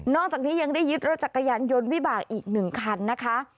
จากนี้ยังได้ยึดรถจักรยานยนต์วิบากอีก๑คันนะคะ